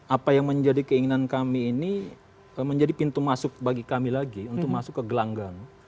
apa yang menjadi keinginan kami ini menjadi pintu masuk bagi kami lagi untuk masuk ke gelanggang